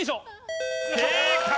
正解！